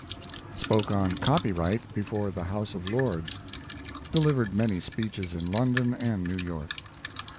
Spoke on "Copyright" before the House of Lords. Delivered many speeches in London and New York.